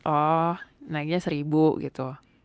oh naiknya satu gitu